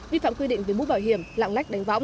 vi phạm quy định về mũ bảo hiểm lạng lách đánh võng